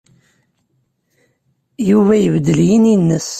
Yuba ibeddel yini-nnes.